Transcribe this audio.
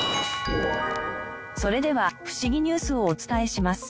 それではフシギニュースをお伝えします。